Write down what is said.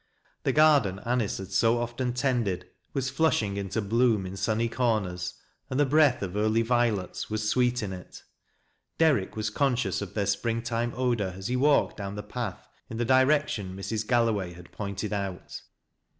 The garden Anice had so often tended was flush ing into bloom in sunny corners, and the breath of early violets was sweet in it. Derrick was conscious of theii springtime odor as he walked down the path, in the direc tion Mrs. Galloway had pointed out.